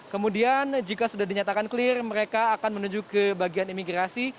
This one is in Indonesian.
kemudian jika sudah dinyatakan clear mereka akan menuju ke bagian imigrasi